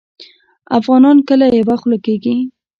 افغانان کله یوه خوله کیږي؟